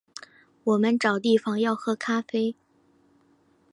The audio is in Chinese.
我们找地方要喝咖啡